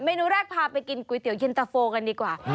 นูแรกพาไปกินก๋วยเตี๋ยินตะโฟกันดีกว่า